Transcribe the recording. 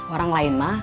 orang lain mah